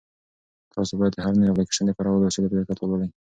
تاسو باید د هر نوي اپلیکیشن د کارولو اصول په دقت ولولئ.